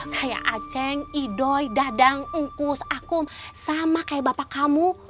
kayak aceng idoy dadang ungkus aku sama kayak bapak kamu